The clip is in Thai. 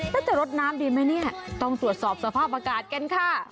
น่าจะรถน้ำดีไหมต้องสวดสอบสภาพอากาศกัน